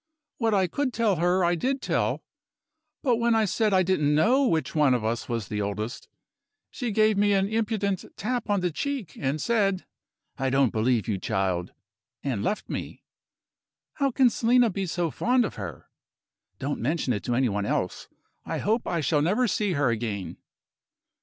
What I could tell her, I did tell. But when I said I didn't know which of us was the oldest, she gave me an impudent tap on the cheek, and said, 'I don't believe you, child,' and left me. How can Selina be so fond of her? Don't mention it to any one else; I hope I shall never see her again."